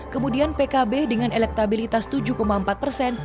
kemudian pkb dengan elektabilitas tujuh empat persen